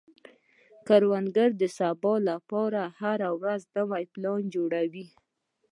کروندګر د سبا لپاره هره ورځ نوي پلانونه جوړوي